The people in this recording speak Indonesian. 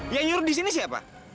yang nyuruh disini siapa